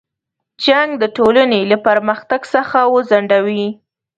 جنګ د ټولنې له پرمختګ څخه ځنډوي.